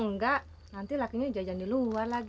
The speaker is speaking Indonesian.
makasih ya mo thrown secaraah